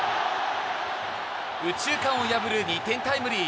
右中間を破る２点タイムリー。